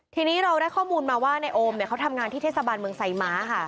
ทีนี้เราได้ข้อมูลมาว่าในโอมเขาทำงานที่เทศบาลเมืองไซม้าค่ะ